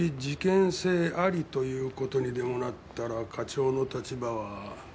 事件性ありという事にでもなったら課長の立場は。